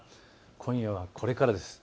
今夜はこれからです。